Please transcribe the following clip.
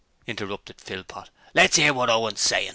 interrupted Philpot. 'Let's 'ear wot Owen's sayin'.'